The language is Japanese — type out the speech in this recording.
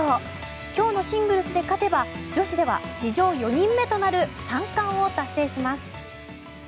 今日のシングルスで勝てば女子では史上４人目となる３冠を達成します。